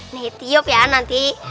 nih tiup ya nanti